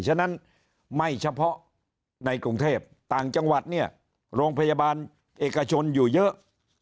ฉะนั้นไม่เฉพาะในกรุงเทพต่างจังหวัดเนี่ยโรงพยาบาลเอกชนอยู่เยอะ